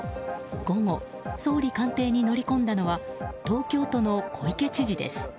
午後、総理官邸に乗り込んだのは東京都の小池知事です。